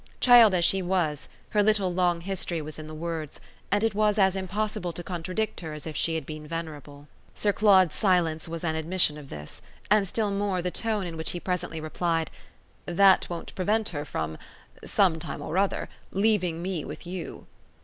Child as she was, her little long history was in the words; and it was as impossible to contradict her as if she had been venerable. Sir Claude's silence was an admission of this, and still more the tone in which he presently replied: "That won't prevent her from some time or other leaving me with you."